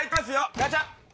ガチャ。